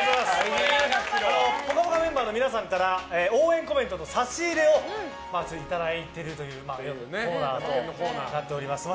「ぽかぽか」メンバーの皆さんから応援コメントと差し入れをいただいているというコーナーとなっています。